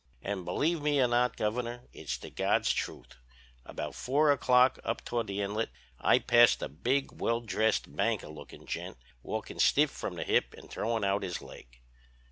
"'And believe me or not, Governor, it's the God's truth. About four o'clock up toward the Inlet I passed a big, well dressed, banker looking gent walking stiff from the hip and throwing out his leg.